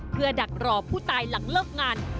เพื่อดักรอผู้ตายหลังเลิกงาน